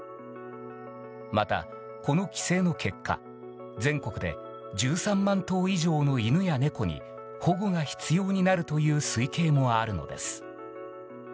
また、この規制の結果全国で１３万頭以上の犬や猫に保護が必要になるという推計もあるのです。